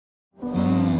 うん。